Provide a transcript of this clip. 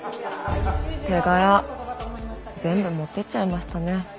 手柄全部持ってっちゃいましたね。